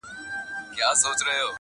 د کلي ژوند ظاهراً روان وي خو دننه مات,